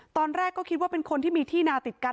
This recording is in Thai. ตอนแรกก็คิดว่าเป็นคนที่มีที่นาติดกัน